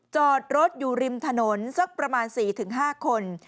จอดรถอยู่ริมถนนสักประมาณ๔๕คน